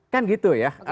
kan gitu ya